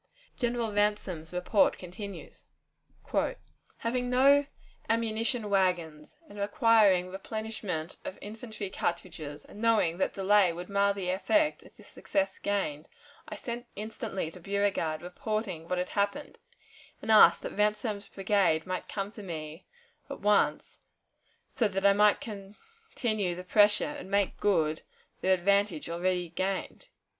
General Ransom's report continues: "Having no ammunition wagons and requiring replenishment of infantry cartridges, and knowing that delay would mar the effect of the success gained, I sent instantly to Beauregard, reporting what had happened, and asked that Ransom's brigade might come to me at once, so that I might continue the pressure and make good the advantage already gained."